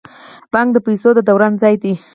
بانک د پیسو د دوران ځای دی